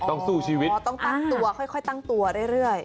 ต้องสู้ชีวิตต้องตั้งตัวค่อยตั้งตัวเรื่อย